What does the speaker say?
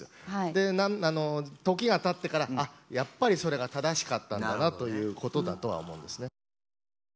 で、時が経ってからあ、やっぱりそれが正しかったんだなということだとは思うんですね。